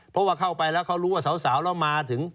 เพราะว่าเข้าไปแล้วเขารู้ว่าสาวเรามาถึง